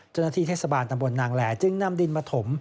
เจ้าหน้าที่เทศบาลตำบลนางแหล่จึงนำดินมาถม